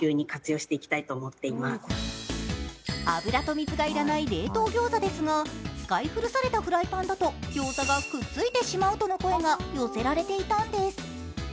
油と水が要らない冷凍餃子ですが、使い古されたフライパンだと餃子がくっついてしまうとの声が寄せられていたんです。